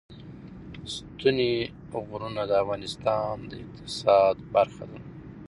ستوني غرونه د افغانستان د اقتصاد برخه ده.